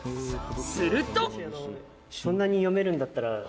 すると！